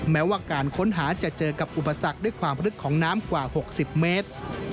แม้ว่าการค้นหาจะเจอกับอุปสรรคด้วยความพลึกของน้ำกว่า๖๐เมตร